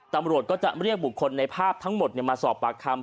ตำรวจก็จะเรียกบุคคลในภาพทั้งหมดมาสอบปากคำ